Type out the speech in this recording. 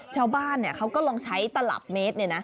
ชาวบ้านเขาก็ลองใช้ตลับเมตร